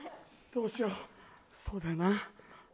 どうしよう、そうだよな。